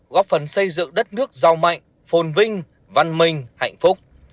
góp phần xây dựng đất nước giàu mạnh phồn vinh văn minh hạnh phúc